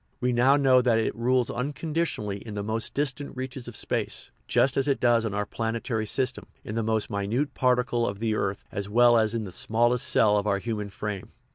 We now know that it rules unconditionally in the most distant reaches of space, just as it does in our planetary system, in the most minute particle of the earth as well as in the smallest cell of our human frame.